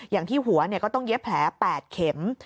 อย่างที่หัวก็ต้องเย็บแผล๘เข็ม